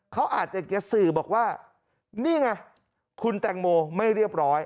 เขาอาจจะสื่อบอกว่านี่ไงคุณแตงโมไม่เรียบร้อย